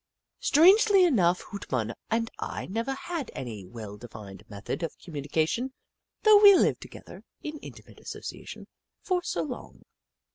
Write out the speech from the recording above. Strangely enough, Hoot Mon and I never had any well defined method of communica tion, though we lived together in intimate association for so long